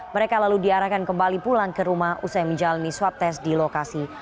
mereka lalu diarahkan kembali pulang ke rumah usai menjalani swab test di lokasi